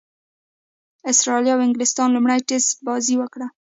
اسټراليا او انګليستان لومړۍ ټېسټ بازي وکړه.